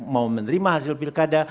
mau menerima hasil pilkada